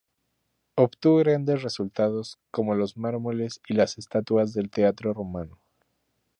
Obtuvo grandes resultados, como los mármoles y las estatuas del teatro romano.